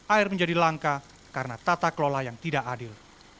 air menjadi langka karena tata kelola yang tidak adil